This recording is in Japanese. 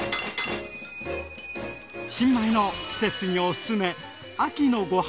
新米の季節におすすめ！